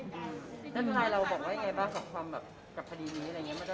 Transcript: แล้วทนายเราบอกว่ายังไงบ้างกับความแบบกับคดีนี้อะไรอย่างนี้